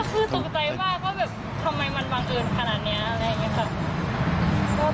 คือตกใจมากว่าแบบทำไมมันบังเอิญขนาดนี้อะไรอย่างนี้ค่ะ